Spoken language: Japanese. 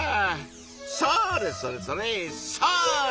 それそれそれそれ！